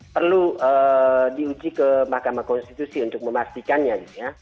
perlu diuji ke mahkamah konstitusi untuk memastikannya